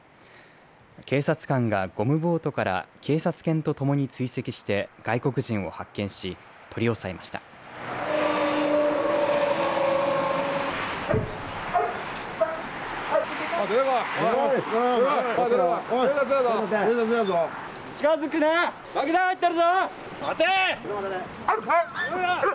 警察官がゴムボートから警察犬とともに追跡して外国人を発見し取り押さえました。